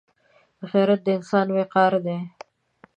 غیرت د انسان وقار دی